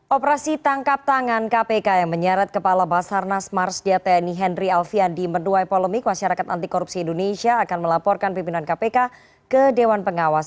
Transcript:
operasi tangkap tangan kpk yang menyeret kepala basarnas marsdia tni henry alfian di menduai polemik masyarakat anti korupsi indonesia akan melaporkan pimpinan kpk ke dewan pengawas